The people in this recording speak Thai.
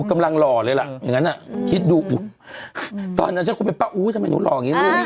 กำลังหล่อเลยล่ะอย่างนั้นอ่ะคิดดูตอนนั้นฉันคงเป็นป้าอู้ทำไมหนูหล่ออย่างนี้ลูก